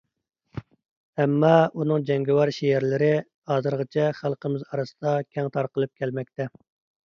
ئەمما، ئۇنىڭ جەڭگىۋار شېئىرلىرى، ھازىرغىچە خەلقىمىز ئارىسىدا كەڭ تارقىلىپ كەلمەكتە.